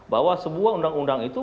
bahwa sebuah undang undang itu